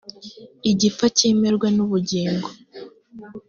igipfa kimirwe n ubugingo .